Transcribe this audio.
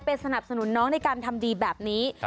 มาเดี๋ยวก็ไปสนับสนุนน้องการทำดีแบบนี้